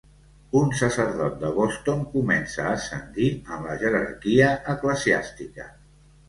Un sacerdot de Boston comença a ascendir en la jerarquia eclesiàstica.